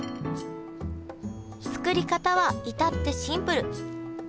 作り方は至ってシンプル！